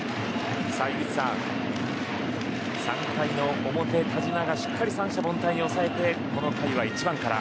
井口さん、３回の表、田嶋がしっかり三者凡退に抑えてこの回は１番から。